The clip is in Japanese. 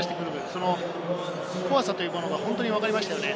その怖さというのが本当にわかりましたよね。